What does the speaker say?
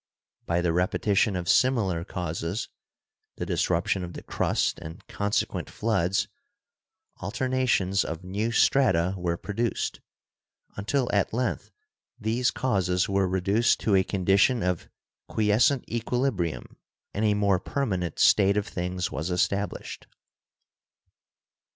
By the repetition of similar causes (the dis ruption of the crust and consequent floods), alternations 44 GEOLOGY of new strata were produced, until at length these causes were reduced to a condition of" quiescent equilibrium and a more permanent state of things was established.